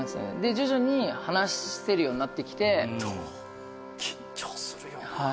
徐々に話せるようになってきて緊張するよなあ